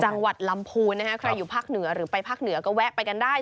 จังหวัดลำพูนนะคะใครอยู่ภาคเหนือหรือไปภาคเหนือก็แวะไปกันได้